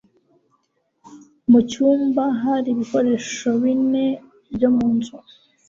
Mu cyumba hari ibikoresho bine byo mu nzu.